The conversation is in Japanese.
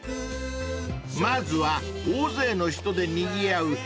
［まずは大勢の人でにぎわう